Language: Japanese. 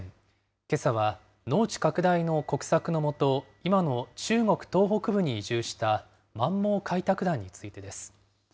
けさは農地拡大の国策の下、今の中国東北部に移住した満蒙開拓団についてです。